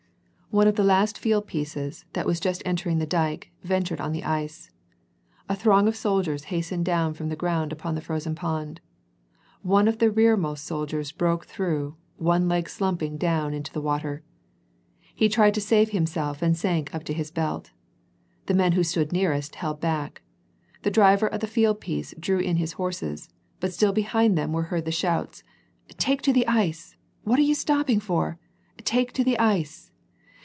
One of the last field pieces, that was just entering on the dyke, ventured on the ice. A throng of soldiers hastened down from the ground upon the frozen pond. One of the rearmost sol diers broke through, one leg slumping down into the water. He tried to save himself and sank up to his belt. The men who stood nearest, held back ; the driver of the field piece drew in his horses, but still behind them were heard the shouts, — "Take to the ice!" — "What are you stopping for?" —" T^e to the ice